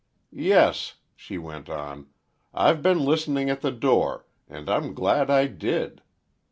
"Yes," she went on, "I've been listening at the door, and I'm glad I did.